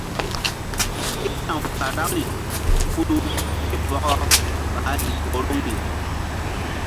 Ke ta̧w karaŋri kuɗu ke bɔkɔ ɓa riŋ horoŋri.